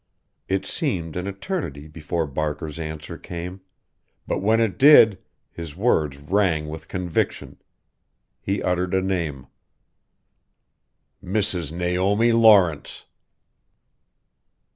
It seemed an eternity before Barker's answer came but when it did, his words rang with conviction he uttered a name "Mrs. Naomi Lawrence!"